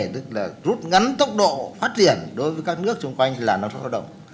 tức là rút ngắn tốc độ phát triển đối với các nước xung quanh là năng suất lao động